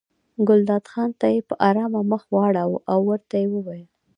ګلداد خان ته یې په ارامه مخ واړاوه او ورته ویې ویل.